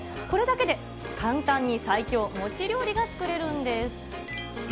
これだけで簡単に最強餅料理が作れるんです。